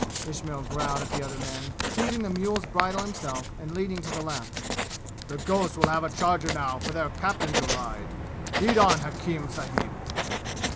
Ismail growled at the other men, seizing the mule's bridle himself and leading to the left. "The ghosts will have a charger now for their captain to ride! Lead on, Hakim sahib!"